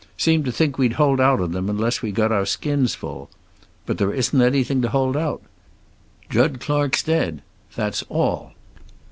Seemed to think we'd hold out on them unless we got our skins full. But there isn't anything to hold out. Jud Clark's dead. That's all."